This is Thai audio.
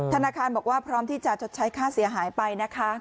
ธนาคารบอกว่าพร้อมที่จะชดใช้ค่าเสียหายไปนะคะ